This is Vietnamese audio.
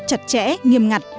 chặt chẽ nghiêm ngặt